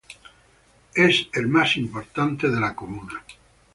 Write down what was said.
Es el más importante de la comuna.